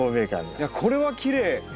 いやこれはきれい。